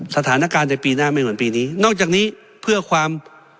สถานการณ์ในปีหน้าไม่เหมือนปีนี้นอกจากนี้เพื่อความ